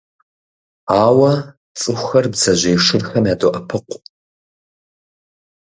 Ауэ цӀыхухэр бдзэжьей шырхэм ядоӀэпыкъу.